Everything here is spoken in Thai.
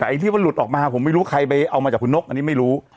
แต่ไอ้ที่ว่าหลุดออกมาผมไม่รู้ใครไปเอามาจากคุณนกอันนี้ไม่รู้